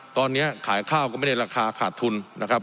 ตอนนี้ขายข้าวก็ไม่ได้ราคาขาดทุนนะครับ